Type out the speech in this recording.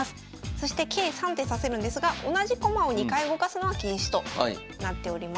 そして計３手指せるんですが同じ駒を２回動かすのは禁止となっております。